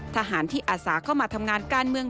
ทหารที่อาสาเข้ามาทำงานการเมือง